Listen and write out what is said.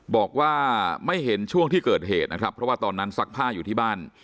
บอกว่าไม่เห็นช่วงที่เกิดเหตุนะครับเพราะว่าตอนนั้นซักผ้าอยู่ที่บ้าน